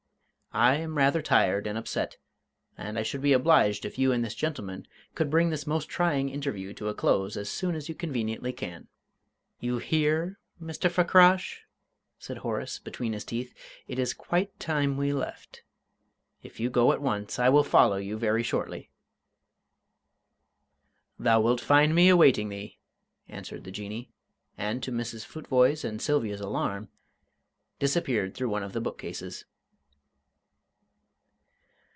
I am rather tired and upset, and I should be obliged if you and this gentleman could bring this most trying interview to a close as soon as you conveniently can." "You hear, Mr. Fakrash?" said Horace, between his teeth, "it is quite time we left. If you go at once, I will follow you very shortly." "Thou wilt find me awaiting thee," answered the Jinnee, and, to Mrs. Futvoye's and Sylvia's alarm, disappeared through one of the bookcases.